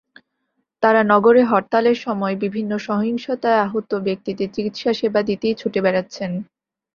তাঁরা নগরে হরতালের সময় বিভিন্ন সহিংসতায় আহত ব্যক্তিদের চিকিৎসেবা দিতেই ছুটে বেড়াচ্ছেন।